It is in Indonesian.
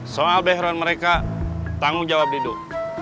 soal behron mereka tanggung jawab diduk